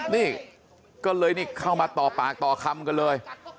นี่ก็เลยนี่เข้ามาต่อปากต่อคำกันเลย